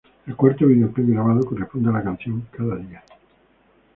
El cuarto videoclip grabado, corresponde a la canción "Cada día".